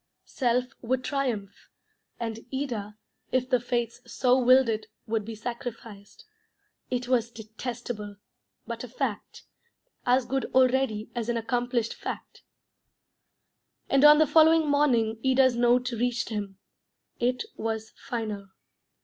Self would triumph, and Ida, if the fates so willed it, would be sacrificed. It was detestable, but a fact; as good already as an accomplished fact. And on the following morning Ida's note reached him. It was final.